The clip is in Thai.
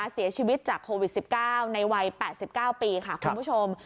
เสียชีวิตจากโควิด๑๙ในวัย๘๙ปีค่ะคุณผู้ชม